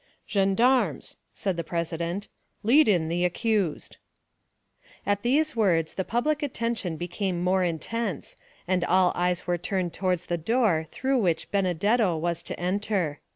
"Gendarmes," said the president, "lead in the accused." At these words the public attention became more intense, and all eyes were turned towards the door through which Benedetto was to enter.